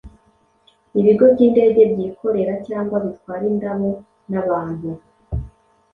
ibigo by'indege by'ikorera cyangwa bitwara indabo n'abantu